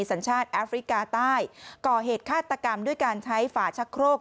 สัญชาติแอฟริกาใต้ก่อเหตุฆาตกรรมด้วยการใช้ฝาชักโครก